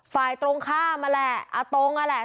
ฝ่ายตรงข้ามอะแหละอะตรงอะแหละ